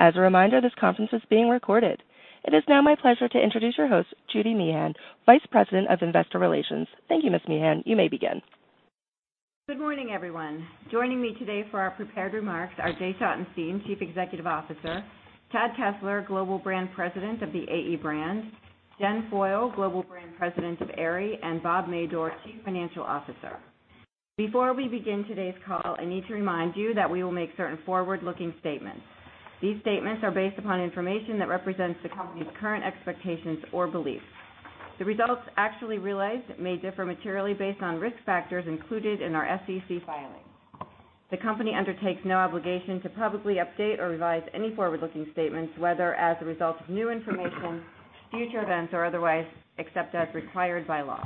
As a reminder, this conference is being recorded. It is now my pleasure to introduce your host, Judy Meehan, Vice President of Investor Relations. Thank you, Ms. Meehan. You may begin. Good morning, everyone. Joining me today for our prepared remarks are Jay Schottenstein, Chief Executive Officer, Chad Kessler, Global Brand President of the AE brand, Jen Foyle, Global Brand President of Aerie, and Bob Madore, Chief Financial Officer. Before we begin today's call, I need to remind you that we will make certain forward-looking statements. These statements are based upon information that represents the company's current expectations or beliefs. The results actually realized may differ materially based on risk factors included in our SEC filings. The company undertakes no obligation to publicly update or revise any forward-looking statements, whether as a result of new information, future events, or otherwise, except as required by law.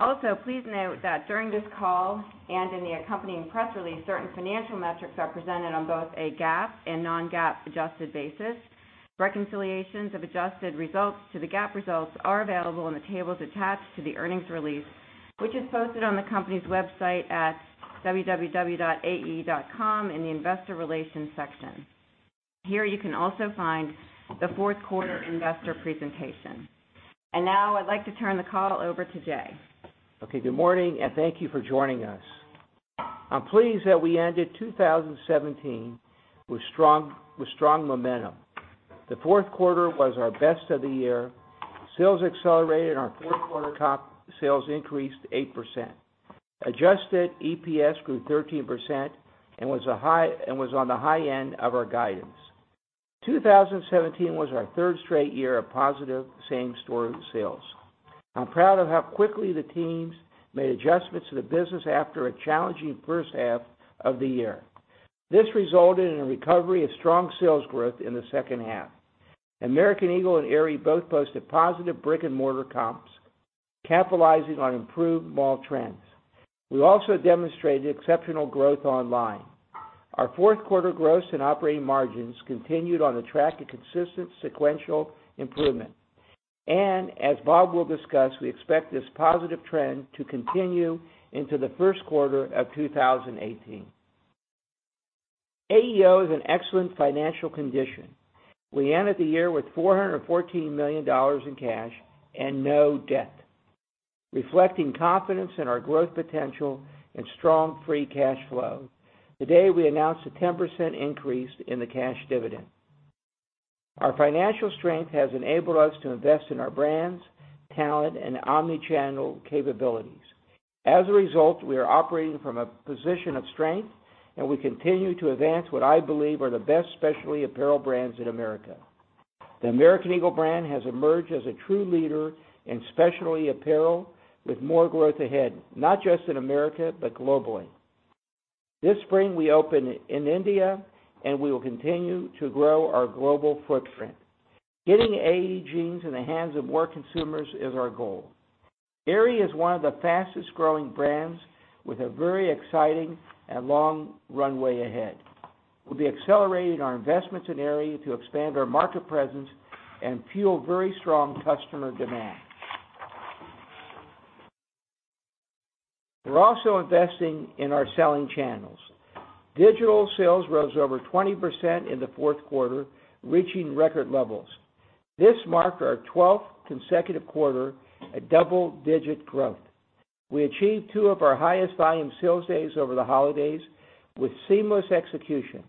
Also, please note that during this call and in the accompanying press release, certain financial metrics are presented on both a GAAP and non-GAAP adjusted basis. Reconciliations of adjusted results to the GAAP results are available in the tables attached to the earnings release, which is posted on the company's website at www.ae.com in the investor relations section. Here, you can also find the fourth quarter investor presentation. Now I'd like to turn the call over to Jay. Okay, good morning, and thank you for joining us. I'm pleased that we ended 2017 with strong momentum. The fourth quarter was our best of the year. Sales accelerated, our fourth quarter comp sales increased 8%. Adjusted EPS grew 13% and was on the high end of our guidance. 2017 was our third straight year of positive same-store sales. I'm proud of how quickly the teams made adjustments to the business after a challenging first half of the year. This resulted in a recovery of strong sales growth in the second half. American Eagle and Aerie both posted positive brick-and-mortar comps, capitalizing on improved mall trends. We also demonstrated exceptional growth online. Our fourth quarter gross and operating margins continued on the track of consistent sequential improvement. As Bob will discuss, we expect this positive trend to continue into the first quarter of 2018. AEO is in excellent financial condition. We ended the year with $414 million in cash and no debt. Reflecting confidence in our growth potential and strong free cash flow, today we announced a 10% increase in the cash dividend. Our financial strength has enabled us to invest in our brands, talent, and omni-channel capabilities. As a result, we are operating from a position of strength, and we continue to advance what I believe are the best specialty apparel brands in America. The American Eagle brand has emerged as a true leader in specialty apparel with more growth ahead, not just in America, but globally. This spring, we open in India, and we will continue to grow our global footprint. Getting AE jeans in the hands of more consumers is our goal. Aerie is one of the fastest-growing brands with a very exciting and long runway ahead. We'll be accelerating our investments in Aerie to expand our market presence and fuel very strong customer demand. We're also investing in our selling channels. Digital sales rose over 20% in the fourth quarter, reaching record levels. This marked our 12th consecutive quarter of double-digit growth. We achieved two of our highest volume sales days over the holidays with seamless execution.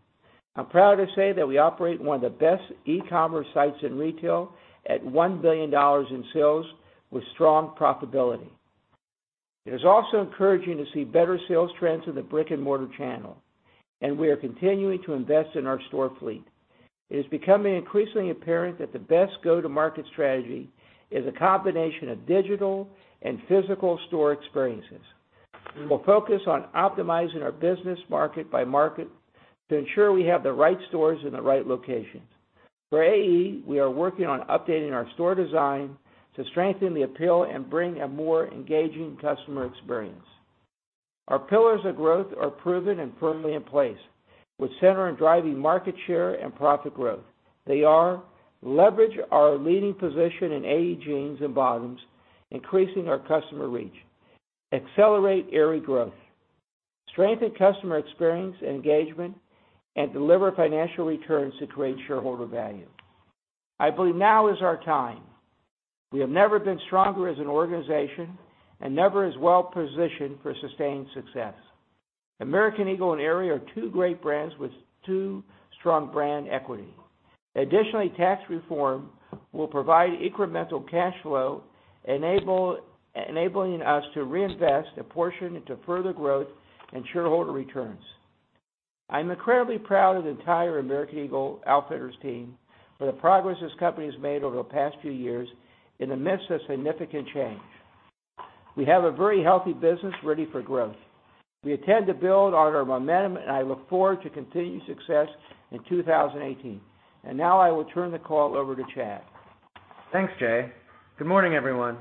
I'm proud to say that we operate one of the best e-commerce sites in retail at $1 billion in sales with strong profitability. It is also encouraging to see better sales trends in the brick-and-mortar channel, we are continuing to invest in our store fleet. It is becoming increasingly apparent that the best go-to-market strategy is a combination of digital and physical store experiences. We'll focus on optimizing our business market by market to ensure we have the right stores in the right locations. For AE, we are working on updating our store design to strengthen the appeal and bring a more engaging customer experience. Our pillars of growth are proven and firmly in place, with center on driving market share and profit growth. They are leverage our leading position in AE jeans and bottoms, increasing our customer reach, accelerate Aerie growth, strengthen customer experience and engagement, and deliver financial returns to create shareholder value. I believe now is our time. We have never been stronger as an organization and never as well-positioned for sustained success. American Eagle and Aerie are two great brands with strong brand equity. Additionally, tax reform will provide incremental cash flow, enabling us to reinvest a portion into further growth and shareholder returns. I'm incredibly proud of the entire American Eagle Outfitters team for the progress this company has made over the past few years in the midst of significant change. We have a very healthy business ready for growth. We intend to build on our momentum, I look forward to continued success in 2018. Now I will turn the call over to Chad. Thanks, Jay. Good morning, everyone.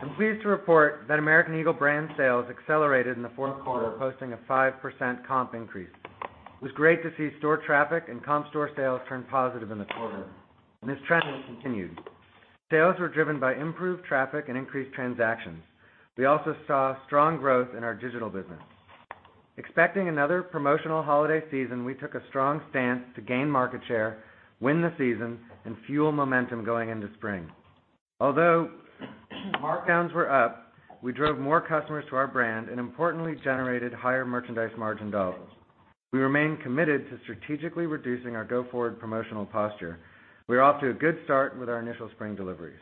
I'm pleased to report that American Eagle brand sales accelerated in the fourth quarter, posting a 5% comp increase. It was great to see store traffic and comp store sales turn positive in the quarter. This trend has continued. Sales were driven by improved traffic and increased transactions. We also saw strong growth in our digital business. Expecting another promotional holiday season, we took a strong stance to gain market share, win the season, and fuel momentum going into spring. Although markdowns were up, we drove more customers to our brand and importantly generated higher merchandise margin dollars. We remain committed to strategically reducing our go-forward promotional posture. We are off to a good start with our initial spring deliveries.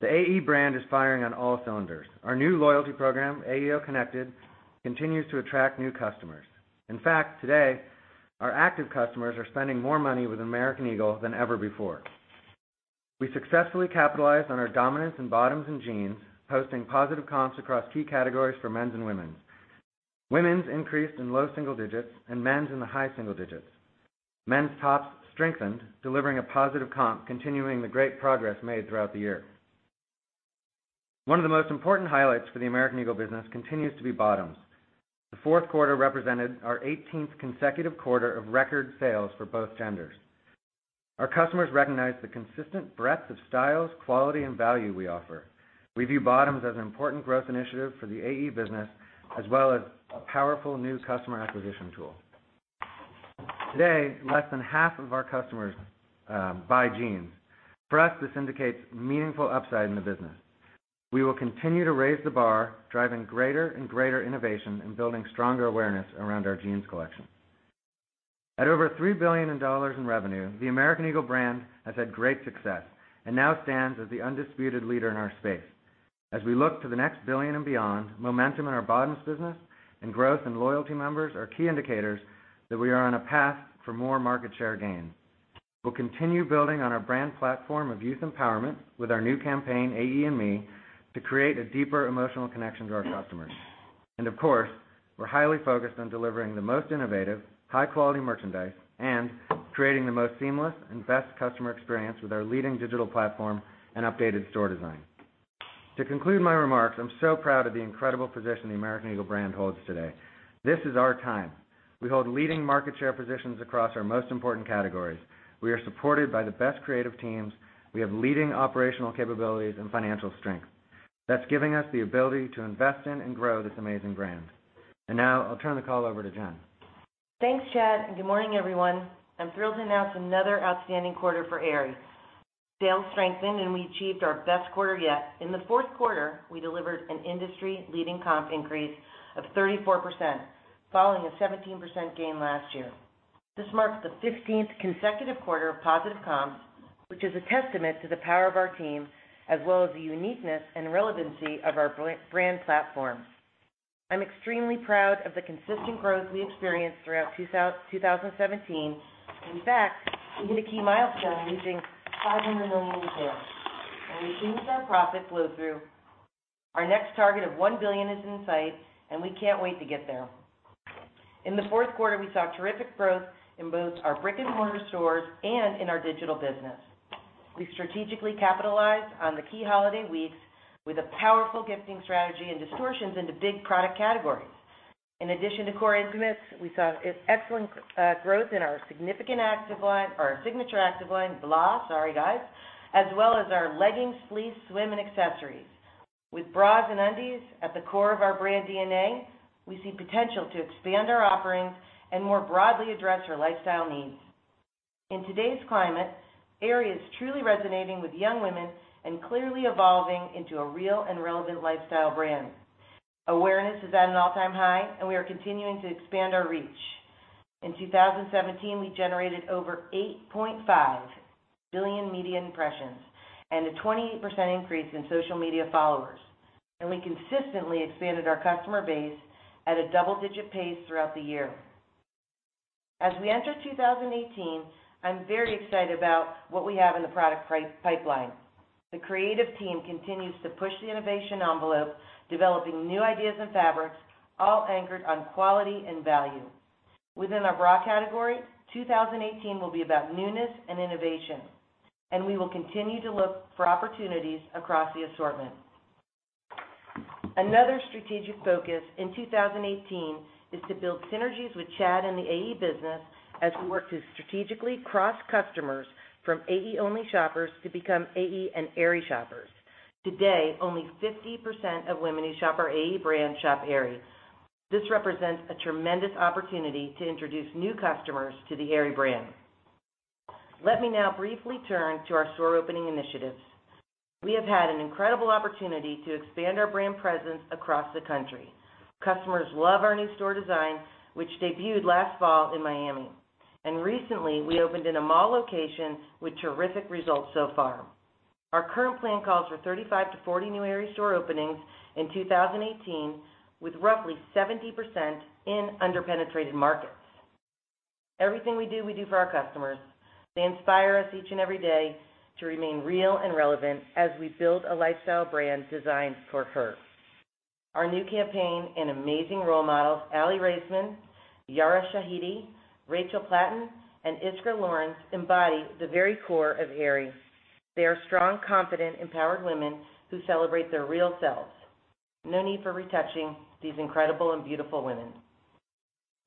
The AE brand is firing on all cylinders. Our new loyalty program, AEO Connected, continues to attract new customers. In fact, today, our active customers are spending more money with American Eagle than ever before. We successfully capitalized on our dominance in bottoms and jeans, posting positive comps across key categories for men's and women's. Women's increased in low single digits and men's in the high single digits. Men's tops strengthened, delivering a positive comp, continuing the great progress made throughout the year. One of the most important highlights for the American Eagle business continues to be bottoms. The fourth quarter represented our 18th consecutive quarter of record sales for both genders. Our customers recognize the consistent breadth of styles, quality, and value we offer. We view bottoms as an important growth initiative for the AE business, as well as a powerful new customer acquisition tool. Today, less than half of our customers buy jeans. For us, this indicates meaningful upside in the business. We will continue to raise the bar, driving greater and greater innovation and building stronger awareness around our jeans collection. At over $3 billion in revenue, the American Eagle brand has had great success and now stands as the undisputed leader in our space. As we look to the next billion and beyond, momentum in our bottoms business and growth in loyalty members are key indicators that we are on a path for more market share gain. We'll continue building on our brand platform of youth empowerment with our new campaign, #AExME, to create a deeper emotional connection to our customers. Of course, we're highly focused on delivering the most innovative, high-quality merchandise, and creating the most seamless and best customer experience with our leading digital platform and updated store design. To conclude my remarks, I'm so proud of the incredible position the American Eagle brand holds today. This is our time. We hold leading market share positions across our most important categories. We are supported by the best creative teams. We have leading operational capabilities and financial strength. That's giving us the ability to invest in and grow this amazing brand. Now I'll turn the call over to Jen. Thanks, Chad. Good morning, everyone. I'm thrilled to announce another outstanding quarter for Aerie. Sales strengthened, and we achieved our best quarter yet. In the fourth quarter, we delivered an industry-leading comp increase of 34%, following a 17% gain last year. This marks the 15th consecutive quarter of positive comps, which is a testament to the power of our team, as well as the uniqueness and relevancy of our brand platform. I'm extremely proud of the consistent growth we experienced throughout 2017. In fact, we hit a key milestone, reaching $500 million in sales, and we've increased our profit flow through. Our next target of $1 billion is in sight, and we can't wait to get there. In the fourth quarter, we saw terrific growth in both our brick-and-mortar stores and in our digital business. We strategically capitalized on the key holiday weeks with a powerful gifting strategy and distortions into big product categories. In addition to core intimates, we saw excellent growth in our signature active line, as well as our leggings, fleece, swim, and accessories. With bras and undies at the core of our brand DNA, we see potential to expand our offerings and more broadly address our lifestyle needs. In today's climate, Aerie is truly resonating with young women and clearly evolving into a real and relevant lifestyle brand. Awareness is at an all-time high, and we are continuing to expand our reach. In 2017, we generated over 8.5 billion media impressions and a 28% increase in social media followers. We consistently expanded our customer base at a double-digit pace throughout the year. As we enter 2018, I'm very excited about what we have in the product pipeline. The creative team continues to push the innovation envelope, developing new ideas and fabrics, all anchored on quality and value. Within our bra category, 2018 will be about newness and innovation, and we will continue to look for opportunities across the assortment. Another strategic focus in 2018 is to build synergies with Chad and the AE business as we work to strategically cross customers from AE-only shoppers to become AE and Aerie shoppers. Today, only 50% of women who shop our AE brand shop Aerie. This represents a tremendous opportunity to introduce new customers to the Aerie brand. Let me now briefly turn to our store opening initiatives. We have had an incredible opportunity to expand our brand presence across the country. Customers love our new store design, which debuted last fall in Miami. Recently, we opened in a mall location with terrific results so far. Our current plan calls for 35-40 new Aerie store openings in 2018, with roughly 70% in under-penetrated markets. Everything we do, we do for our customers. They inspire us each and every day to remain real and relevant as we build a lifestyle brand designed for her. Our new campaign and amazing role models, Aly Raisman, Yara Shahidi, Rachel Platten, and Iskra Lawrence, embody the very core of Aerie. They are strong, confident, empowered women who celebrate their real selves. No need for retouching these incredible and beautiful women.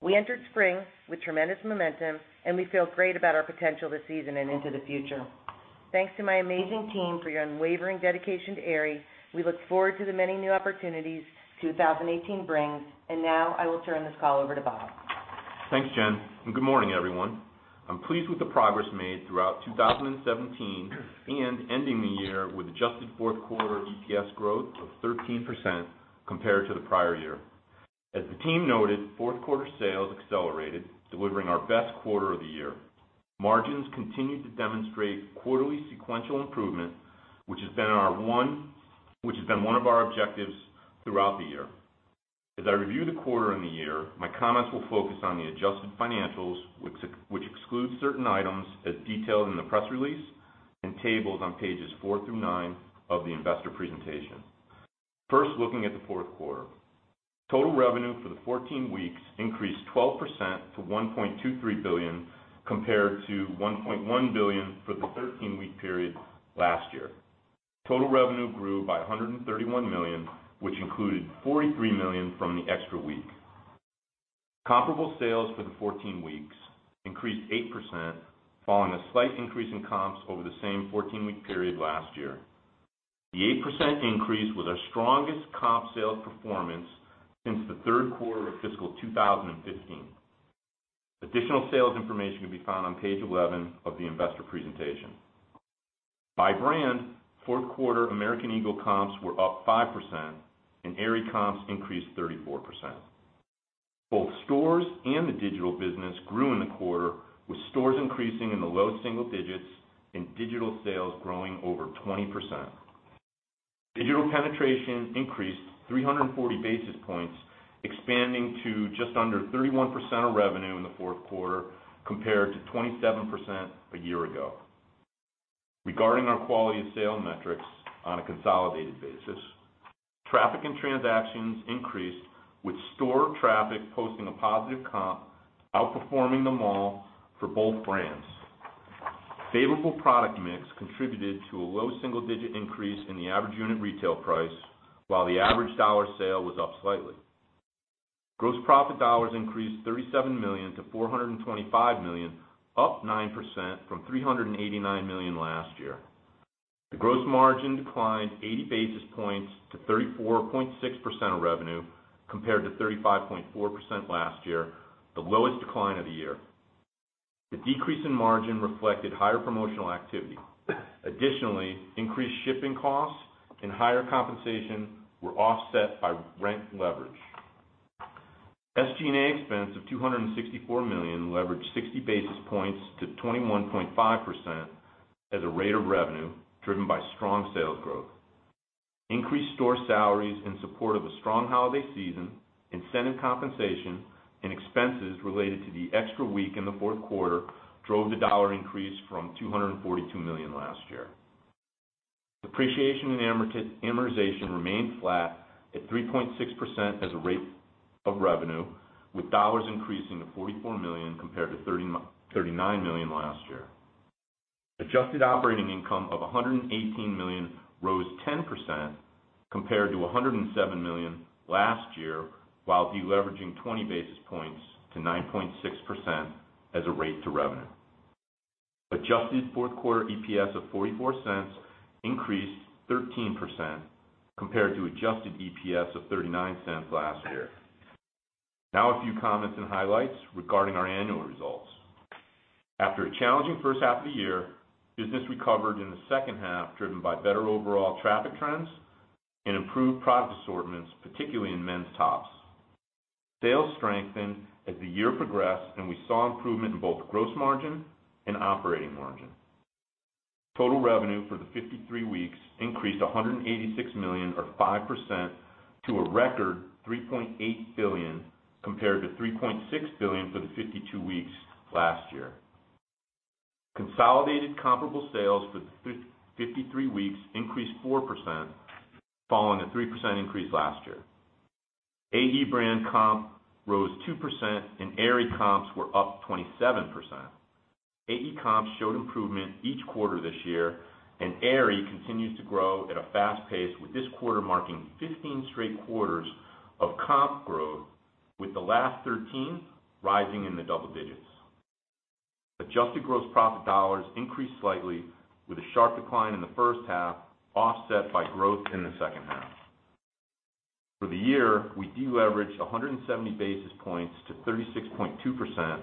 We entered spring with tremendous momentum, and we feel great about our potential this season and into the future. Thanks to my amazing team for your unwavering dedication to Aerie. We look forward to the many new opportunities 2018 brings. Now I will turn this call over to Bob. Thanks, Jen. Good morning, everyone. I'm pleased with the progress made throughout 2017 and ending the year with adjusted fourth quarter EPS growth of 13% compared to the prior year. As the team noted, fourth quarter sales accelerated, delivering our best quarter of the year. Margins continued to demonstrate quarterly sequential improvement, which has been one of our objectives throughout the year. As I review the quarter and the year, my comments will focus on the adjusted financials, which exclude certain items as detailed in the press release and tables on pages four through nine of the investor presentation. First, looking at the fourth quarter. Total revenue for the 14 weeks increased 12% to $1.23 billion, compared to $1.1 billion for the 13-week period last year. Total revenue grew by $131 million, which included $43 million from the extra week. Comparable sales for the 14 weeks increased 8%, following a slight increase in comps over the same 14-week period last year. The 8% increase was our strongest comp sales performance since the third quarter of fiscal 2015. Additional sales information can be found on page 11 of the investor presentation. By brand, fourth quarter American Eagle comps were up 5% and Aerie comps increased 34%. Both stores and the digital business grew in the quarter, with stores increasing in the low single digits and digital sales growing over 20%. Digital penetration increased 340 basis points, expanding to just under 31% of revenue in the fourth quarter, compared to 27% a year ago. Regarding our quality of sale metrics on a consolidated basis, traffic and transactions increased, with store traffic posting a positive comp outperforming the mall for both brands. Favorable product mix contributed to a low single-digit increase in the average unit retail price, while the average dollar sale was up slightly. Gross profit dollars increased $37 million to $425 million, up 9% from $389 million last year. The gross margin declined 80 basis points to 34.6% of revenue, compared to 35.4% last year, the lowest decline of the year. The decrease in margin reflected higher promotional activity. Additionally, increased shipping costs and higher compensation were offset by rent leverage. SG&A expense of $264 million leveraged 60 basis points to 21.5% as a rate of revenue driven by strong sales growth. Increased store salaries in support of a strong holiday season, incentive compensation, and expenses related to the extra week in the fourth quarter drove the dollar increase from $242 million last year. Depreciation and amortization remained flat at 3.6% as a rate of revenue, with dollars increasing to $44 million compared to $39 million last year. Adjusted operating income of $118 million rose 10%, compared to $107 million last year, while deleveraging 20 basis points to 9.6% as a rate to revenue. Adjusted fourth-quarter EPS of $0.44 increased 13%, compared to adjusted EPS of $0.39 last year. Now a few comments and highlights regarding our annual results. After a challenging first half of the year, business recovered in the second half, driven by better overall traffic trends and improved product assortments, particularly in men's tops. Sales strengthened as the year progressed, and we saw improvement in both gross margin and operating margin. Total revenue for the 53 weeks increased $186 million or 5% to a record $3.8 billion, compared to $3.6 billion for the 52 weeks last year. Consolidated comparable sales for the 53 weeks increased 4%, following a 3% increase last year. AE brand comp rose 2%, and Aerie comps were up 27%. AE comps showed improvement each quarter this year, and Aerie continues to grow at a fast pace with this quarter marking 15 straight quarters of comp growth, with the last 13 rising in the double digits. Adjusted gross profit dollars increased slightly with a sharp decline in the first half, offset by growth in the second half. For the year, we deleveraged 170 basis points to 36.2%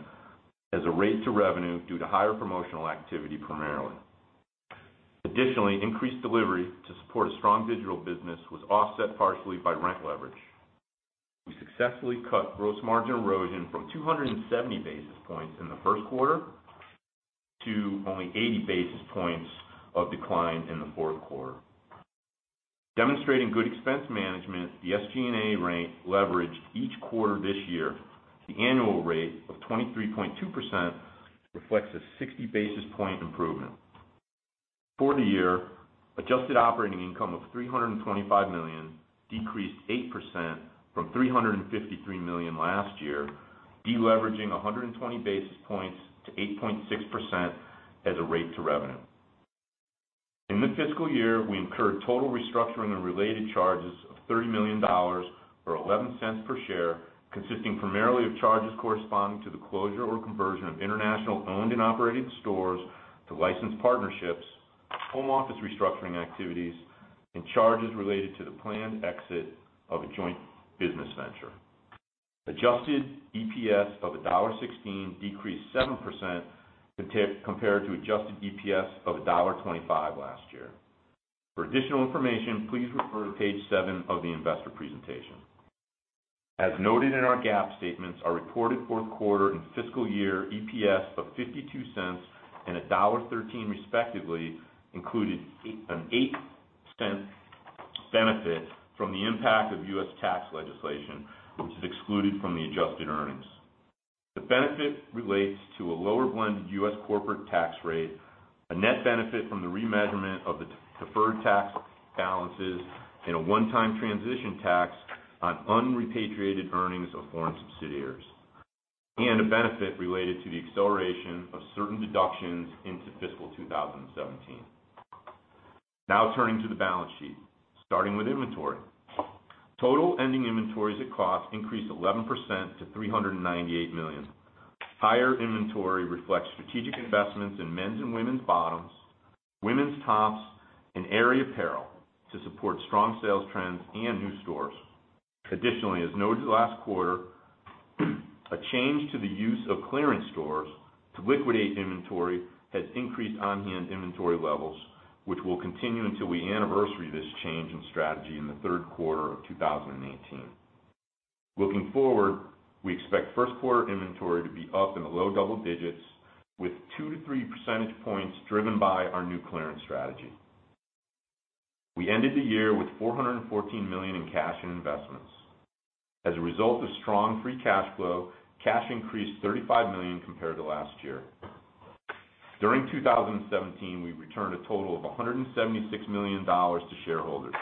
as a rate to revenue due to higher promotional activity, primarily. Additionally, increased delivery to support a strong digital business was offset partially by rent leverage. We successfully cut gross margin erosion from 270 basis points in the first quarter to only 80 basis points of decline in the fourth quarter. Demonstrating good expense management, the SG&A rate leveraged each quarter this year to the annual rate of 23.2%, reflects a 60 basis point improvement. For the year, adjusted operating income of $325 million decreased 8% from $353 million last year, deleveraging 120 basis points to 8.6% as a rate to revenue. In this fiscal year, we incurred total restructuring and related charges of $30 million or $0.11 per share, consisting primarily of charges corresponding to the closure or conversion of international owned and operated stores to licensed partnerships, home office restructuring activities, and charges related to the planned exit of a joint business venture. Adjusted EPS of $1.16 decreased 7% compared to adjusted EPS of $1.25 last year. For additional information, please refer to page seven of the investor presentation. As noted in our GAAP statements, our reported fourth quarter and fiscal year EPS of $0.52 and $1.13 respectively, included an $0.08 benefit from the impact of U.S. tax legislation, which is excluded from the adjusted earnings. The benefit relates to a lower blended U.S. corporate tax rate, a net benefit from the remeasurement of the deferred tax balances, and a one-time transition tax on unrepatriated earnings of foreign subsidiaries, and a benefit related to the acceleration of certain deductions into fiscal 2017. Now turning to the balance sheet, starting with inventory. Total ending inventories at cost increased 11% to $398 million. Higher inventory reflects strategic investments in men's and women's bottoms, women's tops, and Aerie apparel to support strong sales trends and new stores. Additionally, as noted last quarter, a change to the use of clearance stores to liquidate inventory has increased on-hand inventory levels, which will continue until we anniversary this change in strategy in the third quarter of 2018. Looking forward, we expect first-quarter inventory to be up in the low double digits with two to three percentage points driven by our new clearance strategy. We ended the year with $414 million in cash and investments. As a result of strong free cash flow, cash increased $35 million compared to last year. During 2017, we returned a total of $176 million to shareholders.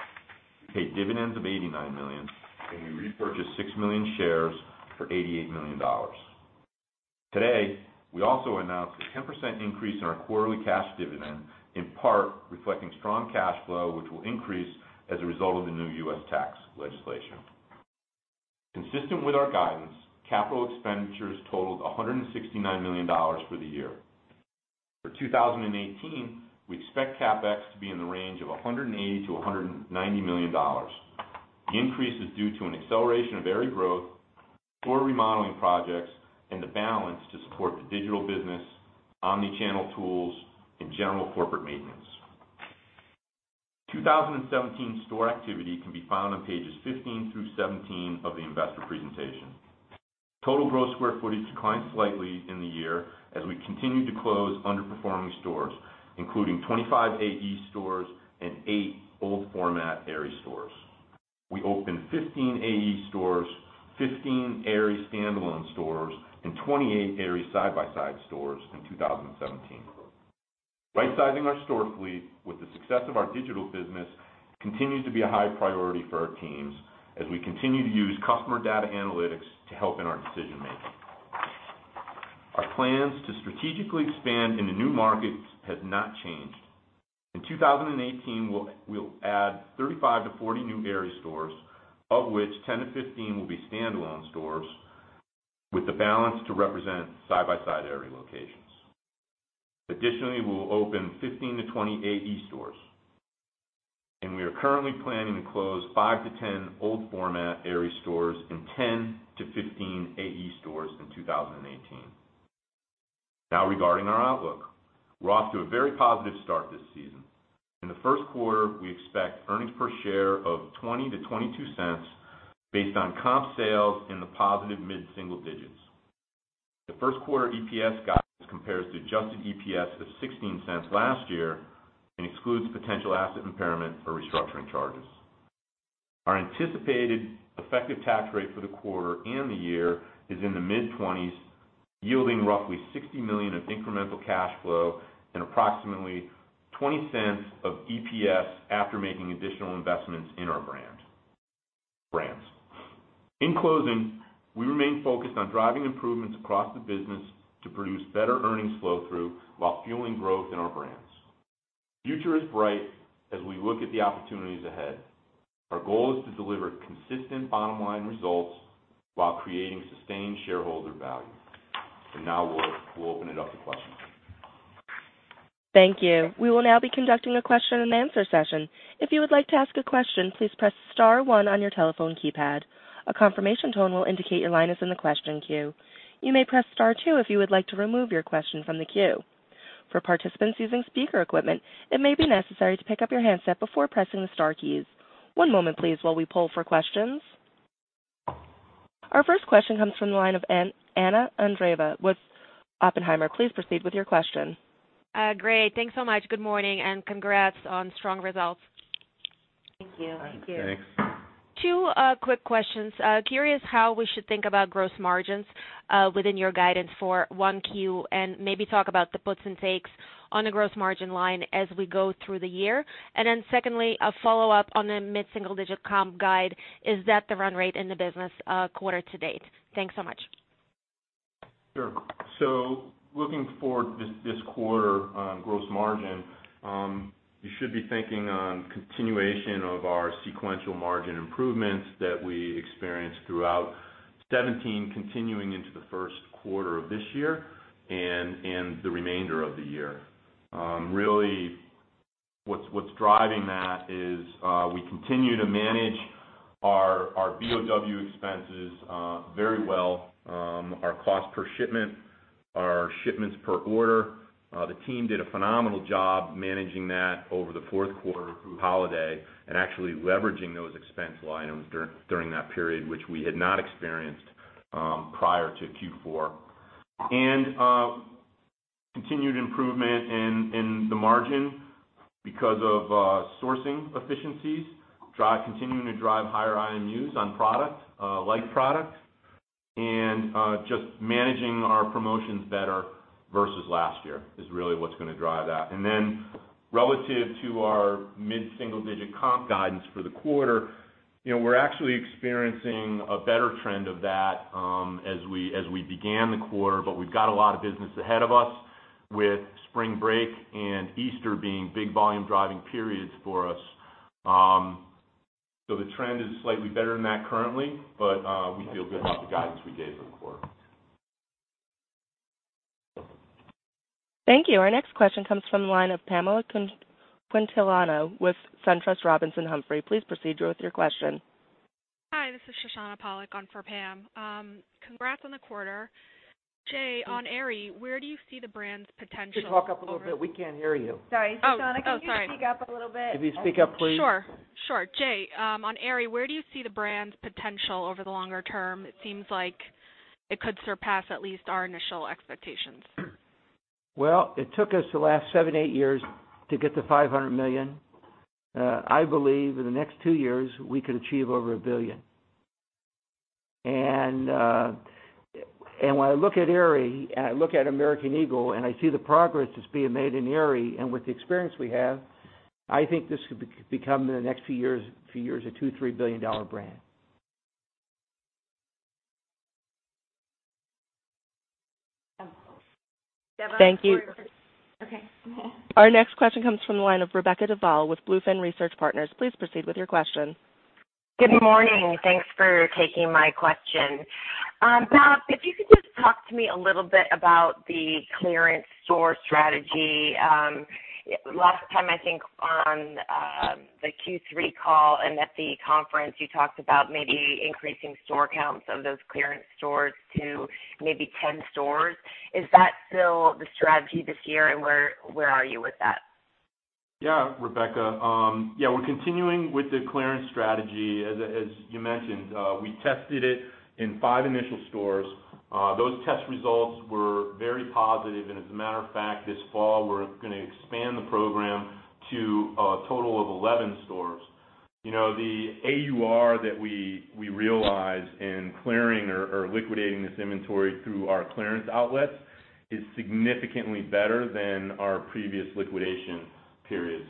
We paid dividends of $89 million, and we repurchased six million shares for $88 million. Today, we also announced a 10% increase in our quarterly cash dividend, in part reflecting strong cash flow, which will increase as a result of the new U.S. tax legislation. Consistent with our guidance, capital expenditures totaled $169 million for the year. For 2018, we expect CapEx to be in the range of $180 million-$190 million. The increase is due to an acceleration of Aerie growth, store remodeling projects, and the balance to support the digital business, omni-channel tools, and general corporate maintenance. 2017 store activity can be found on pages 15 through 17 of the investor presentation. Total gross square footage declined slightly in the year as we continued to close underperforming stores, including 25 AE stores and eight old format Aerie stores. We opened 15 AE stores, 15 Aerie standalone stores, and 28 Aerie side-by-side stores in 2017. Rightsizing our store fleet with the success of our digital business continues to be a high priority for our teams as we continue to use customer data analytics to help in our decision-making. Our plans to strategically expand into new markets has not changed. In 2018, we'll add 35-40 new Aerie stores, of which 10-15 will be standalone stores with the balance to represent side-by-side Aerie locations. Additionally, we'll open 15-20 AE stores, and we are currently planning to close 5-10 old format Aerie stores and 10-15 AE stores in 2018. Now, regarding our outlook. We're off to a very positive start this season. In the first quarter, we expect earnings per share of $0.20-$0.22 based on comp sales in the positive mid-single digits. The first-quarter EPS guidance compares to adjusted EPS of $0.16 last year and excludes potential asset impairment or restructuring charges. Our anticipated effective tax rate for the quarter and the year is in the mid-20s, yielding roughly $60 million of incremental cash flow and approximately $0.20 of EPS after making additional investments in our brands. In closing, we remain focused on driving improvements across the business to produce better earnings flow-through while fueling growth in our brands. The future is bright as we look at the opportunities ahead. Our goal is to deliver consistent bottom-line results while creating sustained shareholder value. Now we'll open it up to questions. Thank you. We will now be conducting a question-and-answer session. If you would like to ask a question, please press *1 on your telephone keypad. A confirmation tone will indicate your line is in the question queue. You may press *2 if you would like to remove your question from the queue. For participants using speaker equipment, it may be necessary to pick up your handset before pressing the star keys. One moment please while we poll for questions. Our first question comes from the line of Anna Andreeva with Oppenheimer. Please proceed with your question. Great. Thanks so much. Good morning, and congrats on strong results. Thank you. Thanks. Two quick questions. Curious how we should think about gross margins within your guidance for 1Q, and maybe talk about the puts and takes on the gross margin line as we go through the year. Secondly, a follow-up on the mid-single-digit comp guide. Is that the run rate in the business quarter to date? Thanks so much. Sure. Looking forward this quarter on gross margin, you should be thinking on continuation of our sequential margin improvements that we experienced throughout 2017, continuing into the first quarter of this year and the remainder of the year. Really, what's driving that is we continue to manage our BOW expenses very well, our cost per shipment, our shipments per order. The team did a phenomenal job managing that over the fourth quarter through holiday and actually leveraging those expense line items during that period, which we had not experienced prior to Q4. Continued improvement in the margin because of sourcing efficiencies, continuing to drive higher IMUs on products, like products, and just managing our promotions better versus last year is really what's going to drive that. Relative to our mid-single-digit comp guidance for the quarter, we're actually experiencing a better trend of that as we began the quarter. We've got a lot of business ahead of us with Spring Break and Easter being big volume driving periods for us. The trend is slightly better than that currently, but we feel good about the guidance we gave for the quarter. Thank you. Our next question comes from the line of Pamela Quintiliano with SunTrust Robinson Humphrey. Please proceed with your question. Hi, this is Shoshana Pollack on for Pam. Congrats on the quarter. Jay, on Aerie, where do you see the brand's potential over- Could you talk up a little bit? We can't hear you. Sorry, Shoshana. Oh, sorry. Can you speak up a little bit? Could you speak up, please? Sure. Jay, on Aerie, where do you see the brand's potential over the longer term? It seems like it could surpass at least our initial expectations. Well, it took us the last seven, eight years to get to $500 million. I believe in the next two years, we could achieve over $1 billion. When I look at Aerie, I look at American Eagle, I see the progress that's being made in Aerie and with the experience we have, I think this could become, in the next few years, a two, $3 billion brand. Thank you. Our next question comes from the line of Rebecca Duval with BlueFin Research Partners. Please proceed with your question. Good morning. Thanks for taking my question. Bob Madore, if you could just talk to me a little bit about the clearance store strategy. Last time, I think on the Q3 call and at the conference, you talked about maybe increasing store counts of those clearance stores to maybe 10 stores. Is that still the strategy this year, and where are you with that? Rebecca Duval. We're continuing with the clearance strategy. As you mentioned, we tested it in five initial stores. Those test results were very positive. As a matter of fact, this fall, we're gonna expand the program to a total of 11 stores. The AUR that we realize in clearing or liquidating this inventory through our clearance outlets is significantly better than our previous liquidation periods.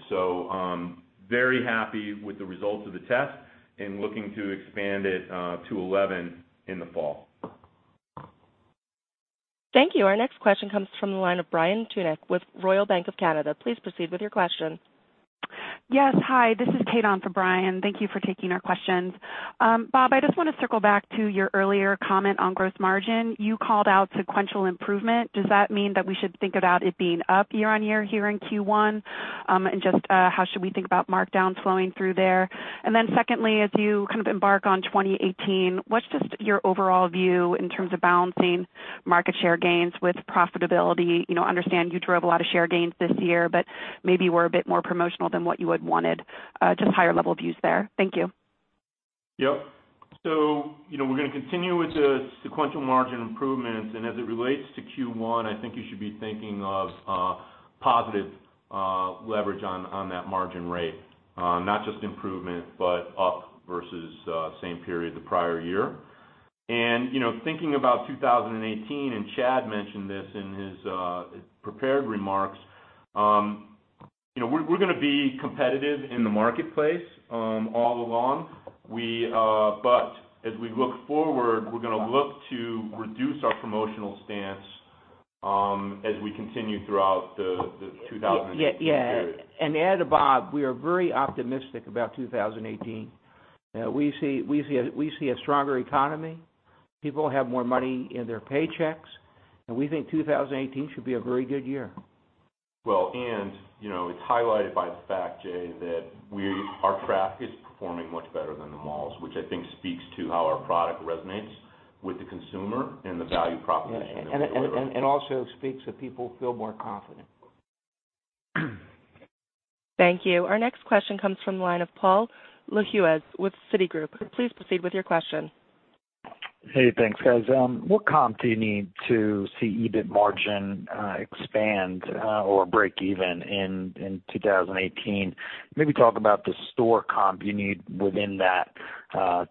Very happy with the results of the test and looking to expand it to 11 in the fall. Thank you. Our next question comes from the line of Brian Tunick with Royal Bank of Canada. Please proceed with your question. Yes. Hi, this is Kate on for Brian. Thank you for taking our questions. Bob, I just want to circle back to your earlier comment on gross margin. You called out sequential improvement. Does that mean that we should think about it being up year-on-year here in Q1? Just how should we think about markdowns flowing through there? As you embark on 2018, what's just your overall view in terms of balancing market share gains with profitability? Understand you drove a lot of share gains this year, but maybe were a bit more promotional than what you had wanted. Just higher level views there. Thank you. Yep. We're going to continue with the sequential margin improvements, as it relates to Q1, I think you should be thinking of positive leverage on that margin rate. Not just improvement, but up versus same period the prior year. Thinking about 2018, Chad mentioned this in his prepared remarks, we're going to be competitive in the marketplace all along. As we look forward, we're going to look to reduce our promotional stance as we continue throughout the 2018 period. Yeah. To add, Bob, we are very optimistic about 2018. We see a stronger economy. People have more money in their paychecks, we think 2018 should be a very good year. Well, it's highlighted by the fact, Jay, that our traffic is performing much better than the malls, which I think speaks to how our product resonates with the consumer and the value proposition that we deliver. It also speaks that people feel more confident. Thank you. Our next question comes from the line of Paul Lejuez with Citigroup. Please proceed with your question. Hey, thanks, guys. What comp do you need to see EBIT margin expand or break even in 2018? Maybe talk about the store comp you need within that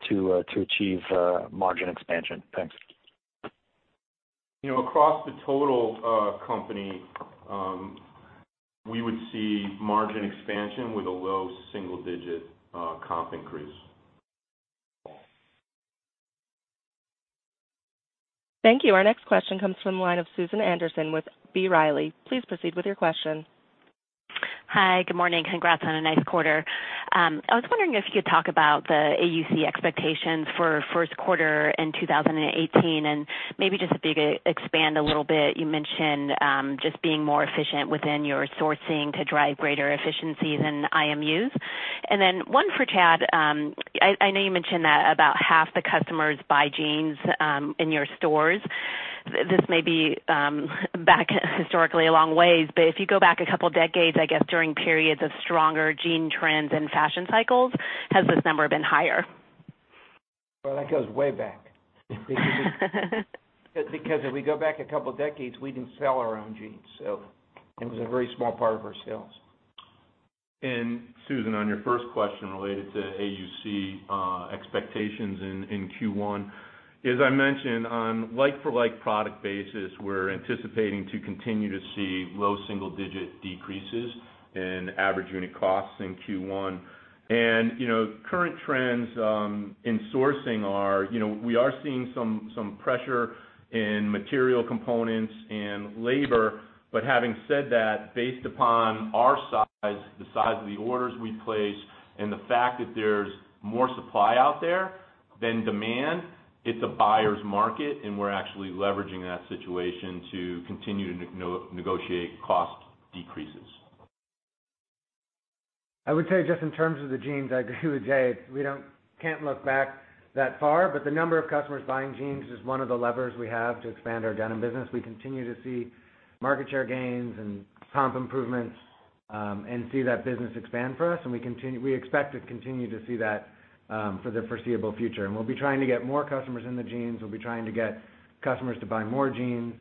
to achieve margin expansion. Thanks. Across the total company, we would see margin expansion with a low single-digit comp increase. Thank you. Our next question comes from the line of Susan Anderson with B. Riley. Please proceed with your question. Hi, good morning. Congrats on a nice quarter. I was wondering if you could talk about the AUC expectation for first quarter in 2018, and maybe just if you could expand a little bit, you mentioned just being more efficient within your sourcing to drive greater efficiencies in IMUs. Then one for Chad. I know you mentioned that about half the customers buy jeans in your stores. This may be back historically a long ways, but if you go back a couple of decades, I guess, during periods of stronger jean trends and fashion cycles, has this number been higher? Well, that goes way back. If we go back a couple of decades, we didn't sell our own jeans, so it was a very small part of our sales. Susan, on your first question related to AUC expectations in Q1, as I mentioned, on like-for-like product basis, we're anticipating to continue to see low single-digit decreases in average unit costs in Q1. Current trends in sourcing are, we are seeing some pressure in material components and labor. Having said that, based upon our size, the size of the orders we place, and the fact that there's more supply out there than demand, it's a buyer's market, and we're actually leveraging that situation to continue to negotiate cost decreases. I would say, just in terms of the jeans, I agree with Jay. We can't look back that far, but the number of customers buying jeans is one of the levers we have to expand our denim business. We continue to see market share gains and comp improvements, see that business expand for us, and we expect to continue to see that for the foreseeable future. We'll be trying to get more customers into jeans. We'll be trying to get customers to buy more jeans.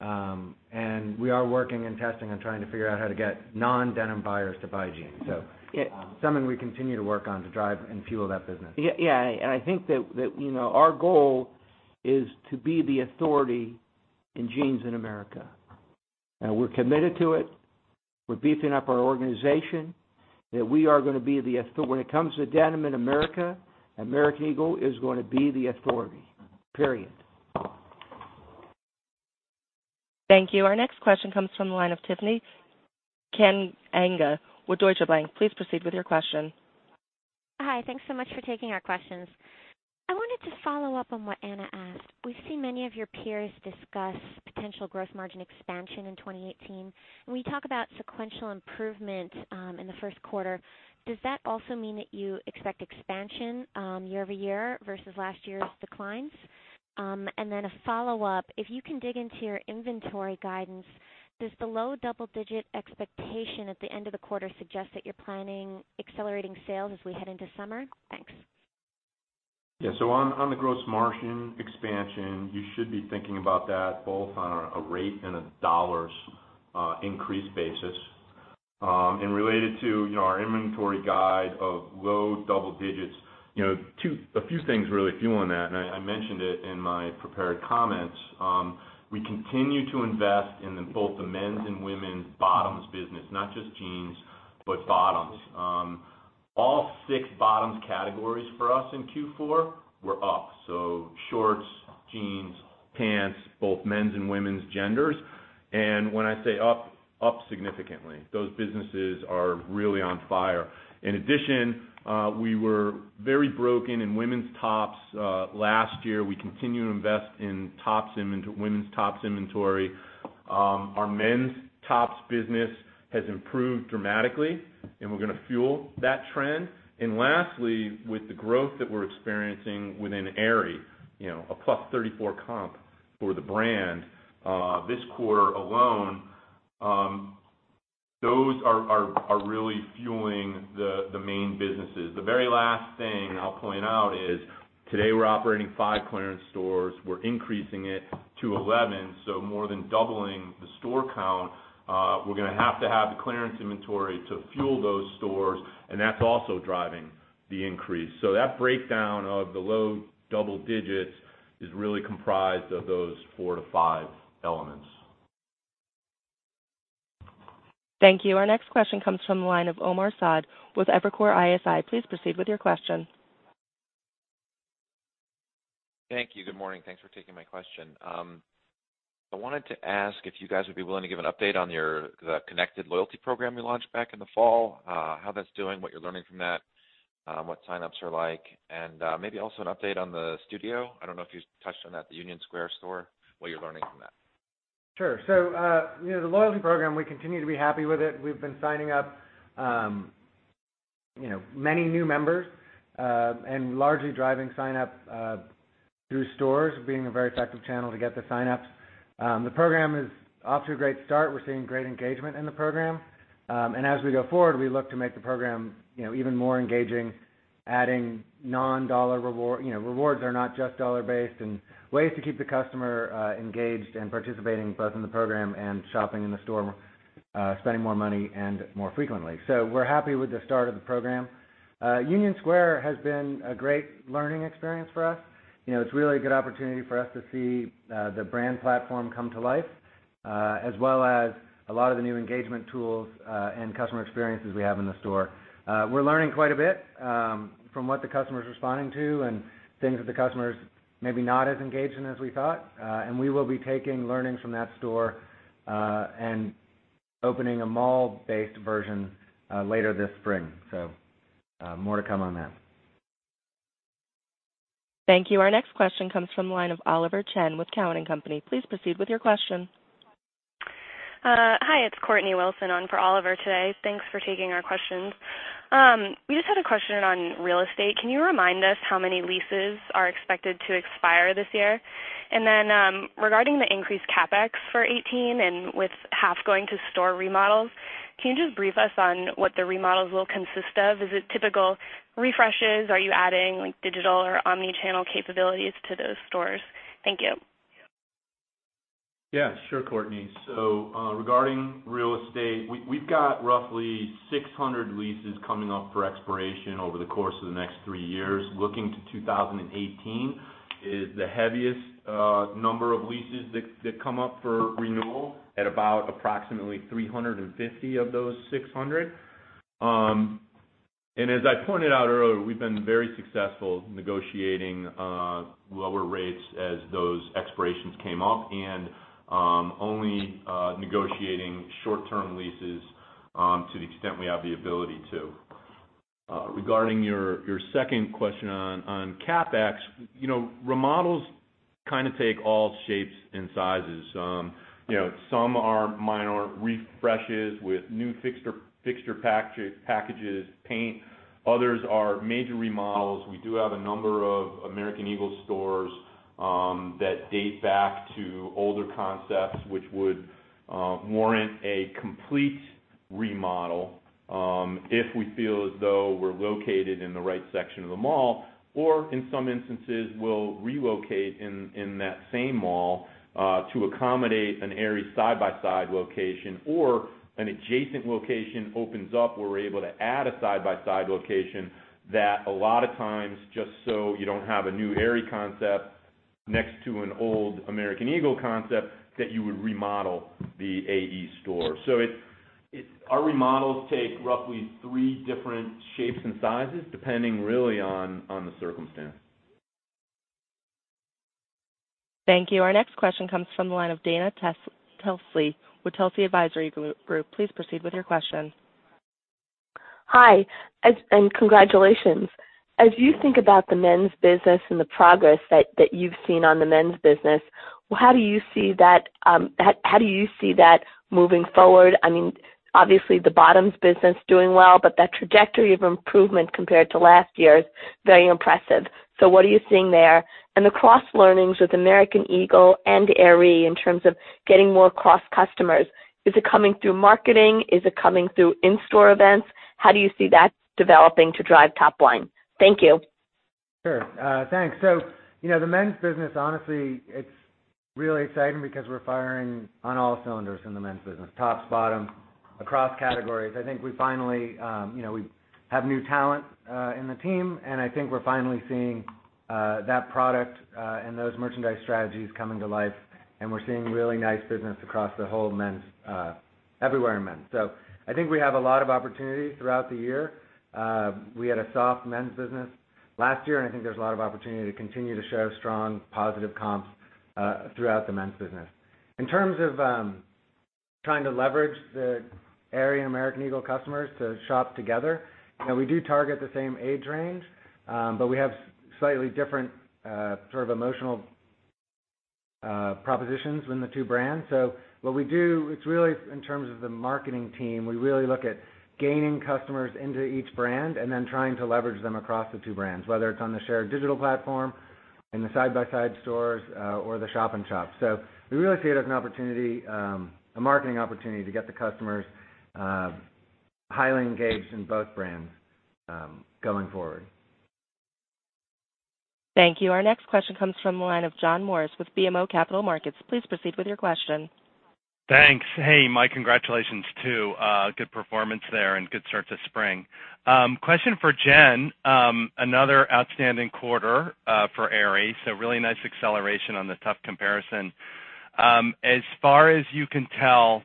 We are working and testing on trying to figure out how to get non-denim buyers to buy jeans. Something we continue to work on to drive and fuel that business. Yeah. I think that our goal is to be the authority in jeans in America. We're committed to it. We're beefing up our organization, that we are going to be the authority. When it comes to denim in America, American Eagle is going to be the authority. Period. Thank you. Our next question comes from the line of Tiffany Kanaga with Deutsche Bank. Please proceed with your question. Hi. Thanks so much for taking our questions. I wanted to follow up on what Anna asked. We've seen many of your peers discuss potential gross margin expansion in 2018. When you talk about sequential improvement in the first quarter, does that also mean that you expect expansion year-over-year versus last year's declines? A follow-up. If you can dig into your inventory guidance, does the low double-digit expectation at the end of the quarter suggest that you're planning accelerating sales as we head into summer? Thanks. Yeah. So on the gross margin expansion, you should be thinking about that both on a rate and a dollars increase basis. Related to our inventory guide of low double-digits, a few things really fueling that, and I mentioned it in my prepared comments. We continue to invest in both the men's and women's bottoms business, not just jeans, but bottoms. All 6 bottoms categories for us in Q4 were up. So shorts, jeans, pants, both men's and women's genders. When I say up significantly. Those businesses are really on fire. In addition, we were very broken in women's tops last year. We continue to invest in women's tops inventory. Our men's tops business has improved dramatically, and we're gonna fuel that trend. Lastly, with the growth that we're experiencing within Aerie, a +34% comp for the brand, this quarter alone, those are really fueling the main businesses. The very last thing I'll point out is today we're operating five clearance stores. We're increasing it to 11, so more than doubling the store count. We're gonna have to have the clearance inventory to fuel those stores, and that's also driving the increase. So that breakdown of the low double-digits is really comprised of those four to five elements. Thank you. Our next question comes from the line of Omar Saad with Evercore ISI. Please proceed with your question. Thank you. Good morning. Thanks for taking my question. I wanted to ask if you guys would be willing to give an update on the Connected loyalty program you launched back in the fall, how that's doing, what you're learning from that, what signups are like, and maybe also an update on the Studio. I don't know if you touched on that, the Union Square store, what you're learning from that. Sure. The loyalty program, we continue to be happy with it. We've been signing up many new members, largely driving signup through stores being a very effective channel to get the signups. The program is off to a great start. We're seeing great engagement in the program. As we go forward, we look to make the program even more engaging, adding rewards are not just dollar-based, and ways to keep the customer engaged and participating both in the program and shopping in the store. Spending more money and more frequently. We're happy with the start of the program. Union Square has been a great learning experience for us. It's really a good opportunity for us to see the brand platform come to life, as well as a lot of the new engagement tools and customer experiences we have in the store. We're learning quite a bit from what the customer is responding to and things that the customer is maybe not as engaged in as we thought. We will be taking learnings from that store, and opening a mall-based version later this spring. More to come on that. Thank you. Our next question comes from the line of Oliver Chen with Cowen and Company. Please proceed with your question. Hi, it's Courtney Willson on for Oliver today. Thanks for taking our questions. We just had a question on real estate. Can you remind us how many leases are expected to expire this year? Regarding the increased CapEx for 2018, and with half going to store remodels, can you just brief us on what the remodels will consist of? Is it typical refreshes? Are you adding digital or omni-channel capabilities to those stores? Thank you. Yeah, sure, Courtney. Regarding real estate, we've got roughly 600 leases coming up for expiration over the course of the next three years. Looking to 2018 is the heaviest number of leases that come up for renewal at about approximately 350 of those 600. As I pointed out earlier, we've been very successful negotiating lower rates as those expirations came up and only negotiating short-term leases to the extent we have the ability to. Regarding your second question on CapEx. Remodels take all shapes and sizes. Some are minor refreshes with new fixture packages, paint. Others are major remodels. We do have a number of American Eagle stores that date back to older concepts which would warrant a complete remodel if we feel as though we're located in the right section of the mall. In some instances, we'll relocate in that same mall, to accommodate an Aerie side-by-side location or an adjacent location opens up where we're able to add a side-by-side location that a lot of times just so you don't have a new Aerie concept next to an old American Eagle concept that you would remodel the AE store. Our remodels take roughly three different shapes and sizes depending really on the circumstance. Thank you. Our next question comes from the line of Dana Telsey with Telsey Advisory Group. Please proceed with your question. Hi, congratulations. As you think about the men's business and the progress that you've seen on the men's business, how do you see that moving forward? Obviously, the bottoms business is doing well, but that trajectory of improvement compared to last year is very impressive. What are you seeing there? The cross learnings with American Eagle and Aerie in terms of getting more cross customers. Is it coming through marketing? Is it coming through in-store events? How do you see that developing to drive top line? Thank you. The men's business, honestly, it's really exciting because we're firing on all cylinders in the men's business: tops, bottom, across categories. I think we have new talent in the team, and I think we're finally seeing that product, and those merchandise strategies coming to life, and we're seeing really nice business across the whole men's, everywhere in men's. I think we have a lot of opportunities throughout the year. We had a soft men's business last year. I think there's a lot of opportunity to continue to show strong positive comps throughout the men's business. In terms of trying to leverage the Aerie and American Eagle customers to shop together, we do target the same age range, but we have slightly different emotional propositions in the two brands. What we do, it's really in terms of the marketing team. We really look at gaining customers into each brand and then trying to leverage them across the two brands, whether it's on the shared digital platform, in the side-by-side stores, or the shop in shop. We really see it as an opportunity, a marketing opportunity to get the customers highly engaged in both brands going forward. Thank you. Our next question comes from the line of John Morris with BMO Capital Markets. Please proceed with your question. Thanks. Hey, Mike, congratulations, too. Good performance there and good start to spring. Question for Jen. Another outstanding quarter for Aerie. Really nice acceleration on the tough comparison. As far as you can tell,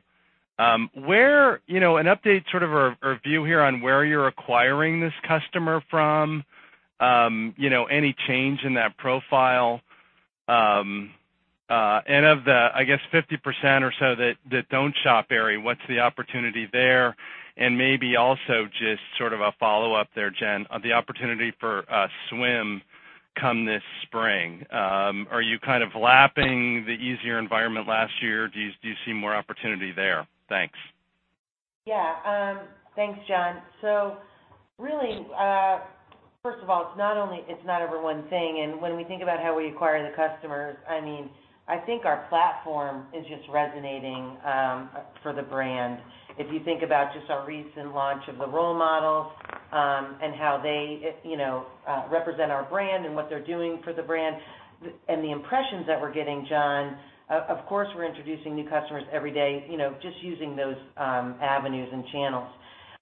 an update or view here on where you're acquiring this customer from. Any change in that profile? Of the 50% or so that don't shop Aerie, what's the opportunity there? Maybe also just a follow-up there, Jen, on the opportunity for swim come this spring. Are you lapping the easier environment last year? Do you see more opportunity there? Thanks. Thanks, John. Really, first of all, it's not ever one thing. When we think about how we acquire the customers, I think our platform is just resonating for the brand. If you think about just our recent launch of the role models, how they represent our brand and what they're doing for the brand and the impressions that we're getting, John. Of course, we're introducing new customers every day just using those avenues and channels.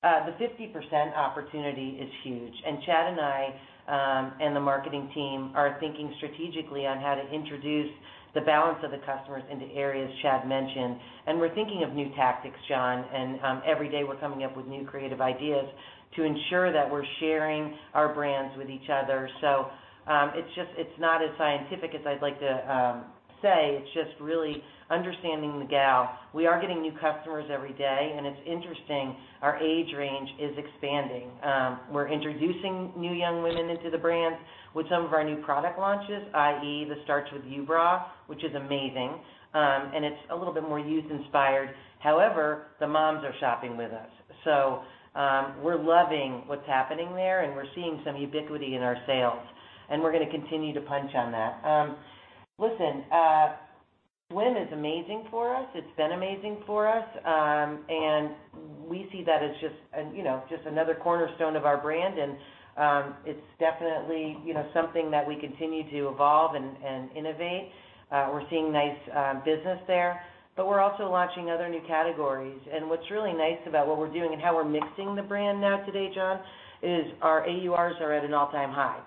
The 50% opportunity is huge. Chad Kessler and I and the marketing team are thinking strategically on how to introduce the balance of the customers into areas Chad Kessler mentioned. We're thinking of new tactics, John. Every day we're coming up with new creative ideas to ensure that we're sharing our brands with each other. It's not as scientific as I'd like to say. It's just really understanding the gal. We are getting new customers every day, and it's interesting. Our age range is expanding. We're introducing new young women into the brands with some of our new product launches, i.e., the Starts With You bra, which is amazing. It's a little bit more youth inspired. However, the moms are shopping with us. We're loving what's happening there, and we're seeing some ubiquity in our sales, and we're going to continue to punch on that. Listen, swim is amazing for us. It's been amazing for us. We see that as just another cornerstone of our brand. It's definitely something that we continue to evolve and innovate. We're seeing nice business there, but we're also launching other new categories. What's really nice about what we're doing and how we're mixing the brand now today, John, is our AURs are at an all-time high.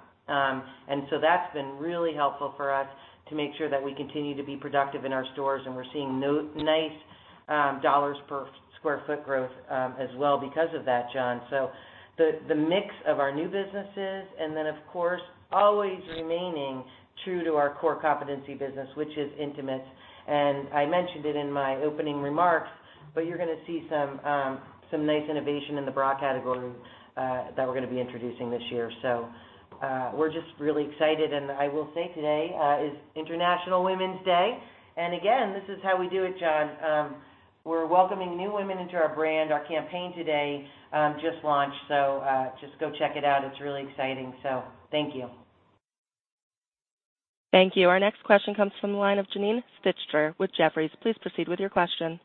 That's been really helpful for us to make sure that we continue to be productive in our stores. We're seeing nice dollars per square foot growth as well because of that, John. The mix of our new businesses and then, of course, always remaining true to our core competency business, which is intimates. I mentioned it in my opening remarks, but you're going to see some nice innovation in the bra category that we're going to be introducing this year. We're just really excited. I will say today is International Women's Day. Again, this is how we do it, John. We're welcoming new women into our brand. Our campaign today just launched. Just go check it out. It's really exciting. Thank you. Thank you. Our next question comes from the line of Janine Stichter with Jefferies. Please proceed with your question.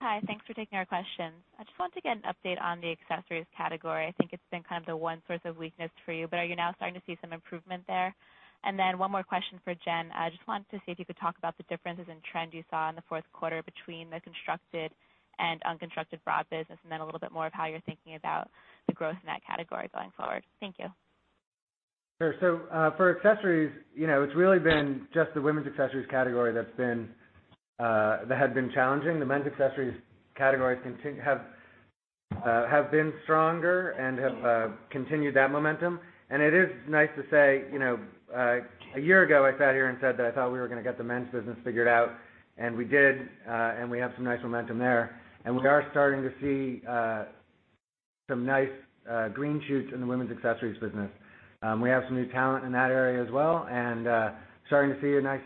Hi. Thanks for taking our questions. I just wanted to get an update on the accessories category. I think it's been the one source of weakness for you. Are you now starting to see some improvement there? One more question for Jen. I just wanted to see if you could talk about the differences in trend you saw in the fourth quarter between the constructed and unconstructed bra business, and a little bit more of how you're thinking about the growth in that category going forward. Thank you. Sure. For accessories, it's really been just the women's accessories category that had been challenging. The men's accessories categories have been stronger and have continued that momentum. It is nice to say, a year ago I sat here and said that I thought we were going to get the men's business figured out, and we did, and we have some nice momentum there. We are starting to see some nice green shoots in the women's accessories business. We have some new talent in that area as well and starting to see some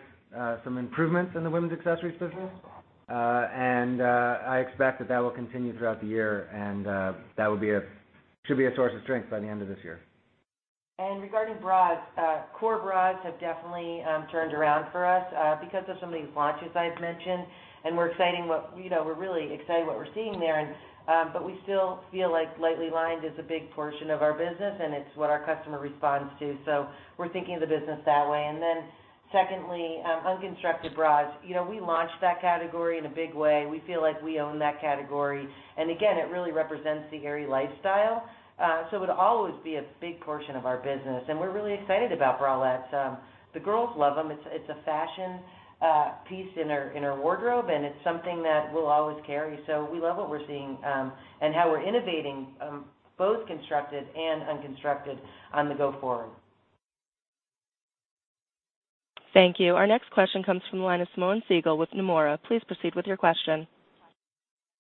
improvements in the women's accessories business. I expect that that will continue throughout the year and that should be a source of strength by the end of this year. Regarding bras, core bras have definitely turned around for us because of some of these launches I've mentioned, and we're really excited what we're seeing there. We still feel like lightly lined is a big portion of our business and it's what our customer responds to. We're thinking of the business that way. Secondly, unconstructed bras. We launched that category in a big way. We feel like we own that category. Again, it really represents the Aerie lifestyle. It would always be a big portion of our business. We're really excited about bralettes. The girls love them. It's a fashion piece in her wardrobe, and it's something that we'll always carry. We love what we're seeing and how we're innovating both constructed and unconstructed on the go forward. Thank you. Our next question comes from the line of Simeon Siegel with Nomura. Please proceed with your question.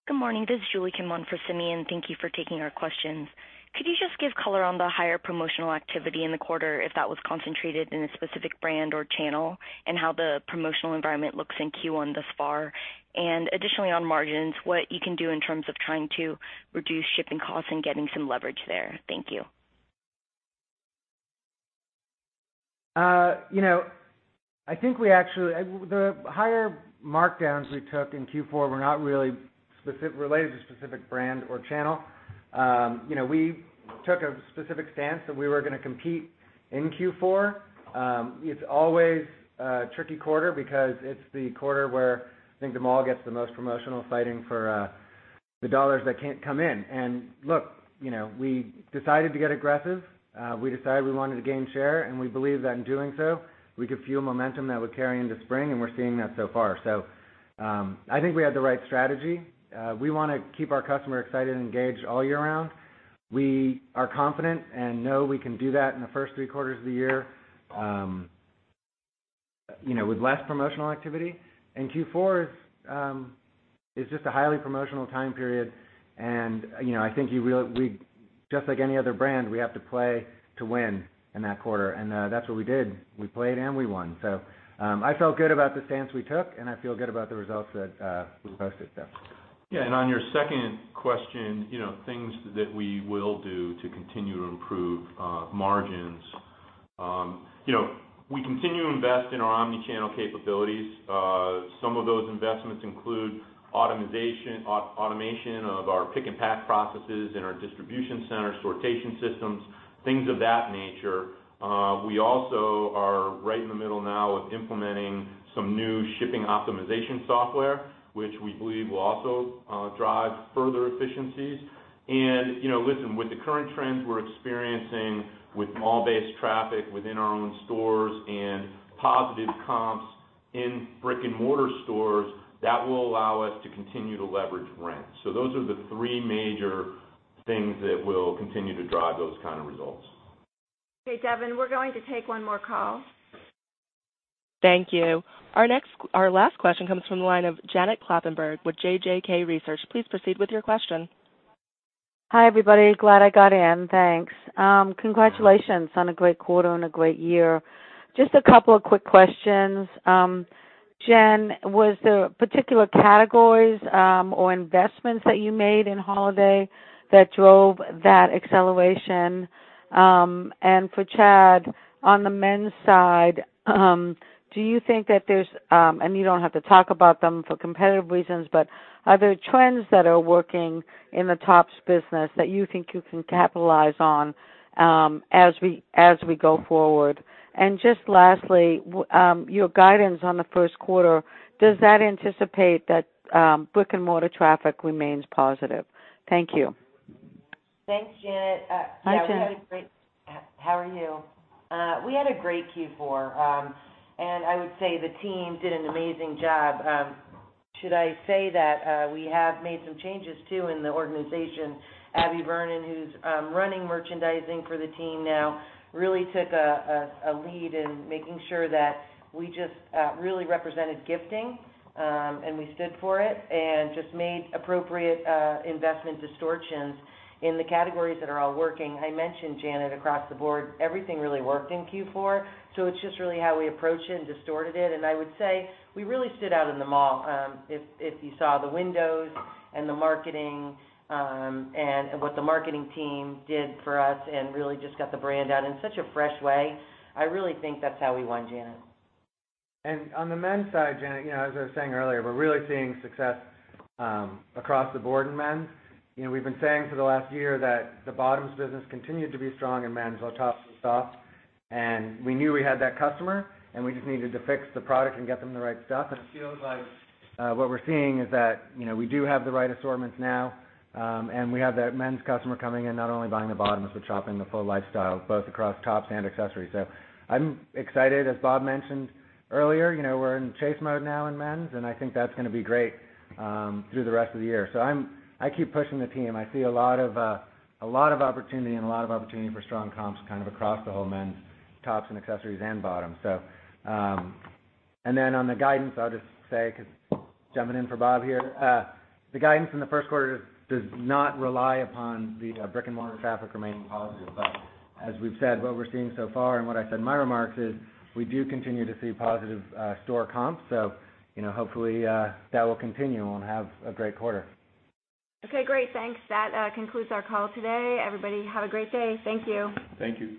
Good morning. This is Julie Kim on for Simeon. Thank you for taking our questions. Could you just give color on the higher promotional activity in the quarter, if that was concentrated in a specific brand or channel? How the promotional environment looks in Q1 thus far? Additionally, on margins, what you can do in terms of trying to reduce shipping costs and getting some leverage there. Thank you. I think the higher markdowns we took in Q4 were not really related to a specific brand or channel. We took a specific stance that we were going to compete in Q4. It's always a tricky quarter because it's the quarter where I think the mall gets the most promotional fighting for the dollars that come in. Look, we decided to get aggressive. We decided we wanted to gain share, we believe that in doing so, we could fuel momentum that would carry into spring, we're seeing that so far. I think we had the right strategy. We want to keep our customer excited and engaged all year round. We are confident and know we can do that in the first three quarters of the year with less promotional activity. Q4 is just a highly promotional time period, I think just like any other brand, we have to play to win in that quarter. That's what we did. We played, we won. I felt good about the stance we took, I feel good about the results that we posted. Yeah, on your second question, things that we will do to continue to improve margins. We continue to invest in our omni-channel capabilities. Some of those investments include automation of our pick and pack processes in our distribution center, sortation systems, things of that nature. We also are right in the middle now of implementing some new shipping optimization software, which we believe will also drive further efficiencies. Listen, with the current trends we're experiencing with mall-based traffic within our own stores and positive comps in brick-and-mortar stores, that will allow us to continue to leverage rent. Those are the three major things that will continue to drive those kind of results. Okay, Devon, we're going to take one more call. Thank you. Our last question comes from the line of Janet Kloppenburg with JJK Research. Please proceed with your question. Hi, everybody. Glad I got in, thanks. Congratulations on a great quarter and a great year. Just a couple of quick questions. Jen, was there particular categories or investments that you made in holiday that drove that acceleration? For Chad, on the men's side, do you think that there's, and you don't have to talk about them for competitive reasons, but are there trends that are working in the tops business that you think you can capitalize on as we go forward? Just lastly, your guidance on the first quarter, does that anticipate that brick-and-mortar traffic remains positive? Thank you. Thanks, Janet. Hi, Jen. How are you? We had a great Q4. I would say the team did an amazing job. Should I say that we have made some changes too in the organization. Abby Vernon, who's running merchandising for the team now, really took a lead in making sure that we just really represented gifting, and we stood for it and just made appropriate investment distortions in the categories that are all working. I mentioned, Janet, across the board, everything really worked in Q4, so it's just really how we approach it and distorted it. I would say we really stood out in the mall. If you saw the windows and the marketing, and what the marketing team did for us and really just got the brand out in such a fresh way, I really think that's how we won, Janet. On the men's side, Janet, as I was saying earlier, we're really seeing success across the board in men's. We've been saying for the last year that the bottoms business continued to be strong in men's, while tops was soft. We knew we had that customer, and we just needed to fix the product and get them the right stuff. It feels like what we're seeing is that we do have the right assortments now, and we have that men's customer coming in, not only buying the bottoms, but shopping the full lifestyle, both across tops and accessories. I'm excited. As Bob mentioned earlier, we're in chase mode now in men's, and I think that's going to be great through the rest of the year. I keep pushing the team. I see a lot of opportunity and a lot of opportunity for strong comps across the whole men's tops and accessories and bottoms. On the guidance, I'll just say, because jumping in for Bob Madore here, the guidance in the first quarter does not rely upon the brick-and-mortar traffic remaining positive. As we've said, what we're seeing so far and what I said in my remarks is we do continue to see positive store comps. Hopefully, that will continue, and we'll have a great quarter. Okay, great. Thanks. That concludes our call today. Everybody, have a great day. Thank you. Thank you.